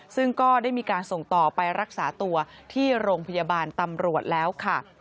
ซึ่งก็ได้มีการส่งต่อไปรักษาตัวที่โรงพยาบาลตำรวจแล้วค่ะ